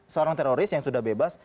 seorang teroris yang sudah bebas